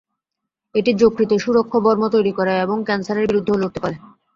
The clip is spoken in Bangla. এটি যকৃতে সুরক্ষা বর্ম তৈরি করে এবং ক্যানসারের বিরুদ্ধেও লড়তে পারে।